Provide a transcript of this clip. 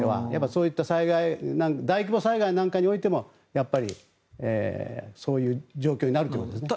そういった災害大規模災害なんかにおいてもやっぱりそういう状況になるということですね。